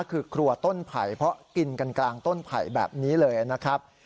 คือครัวต้นไผ่เพราะกินกันกลางต้นไผ่แบบนี้เลยนะครับ